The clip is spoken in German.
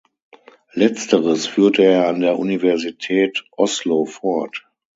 Letzteres führte er an der Universität Oslo fort.